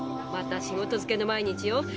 また仕事づけの毎日よ。